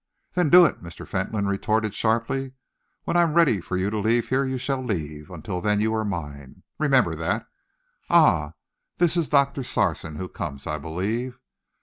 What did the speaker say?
"Then do it!" Mr. Fentolin retorted sharply. "When I am ready for you to leave here, you shall leave. Until then, you are mine. Remember that. Ah! this is Doctor Sarson who comes, I believe.